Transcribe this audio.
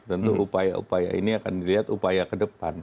tentu upaya upaya ini akan dilihat upaya ke depan